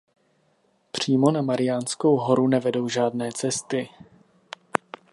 Přímo na Mariánskou horu nevedou žádné cesty.